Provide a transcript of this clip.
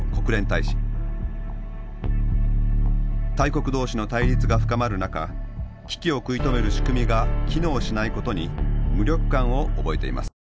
大国同士の対立が深まる中危機を食い止める仕組みが機能しないことに無力感を覚えています。